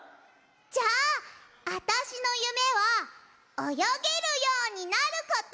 じゃああたしのゆめはおよげるようになること！